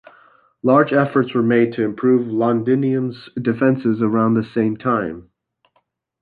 Large efforts were made to improve Londinium's defenses around the same time.